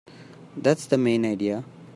That's the main idea.